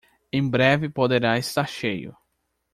Em breve poderá estar cheio.